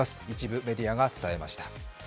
一部メディアが伝えました。